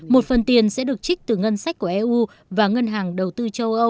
một phần tiền sẽ được trích từ ngân sách của eu và ngân hàng đầu tư